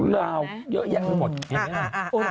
เยอะแยะหมด